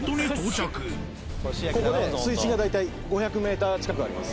ここで水深が大体５００ｍ近くあります。